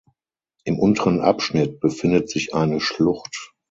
Im unteren Abschnitt befindet sich eine Schlucht.